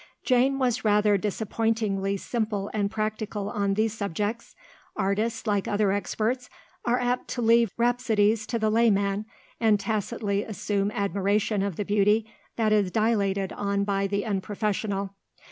Jane was rather disappointingly simple and practical on these subjects; artists, like other experts, are apt to leave rhapsodies to the layman, and tacitly assume admiration of the beauty that is dilated on by the unprofessional.